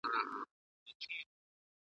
د غوايی چي به یې ږغ وو اورېدلی .